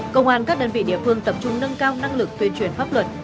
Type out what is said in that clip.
công an các đơn vị địa phương tập trung nâng cao năng lực tuyên truyền pháp luật